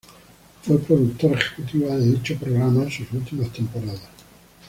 Fue productora ejecutiva de dicho programa en sus últimas temporadas.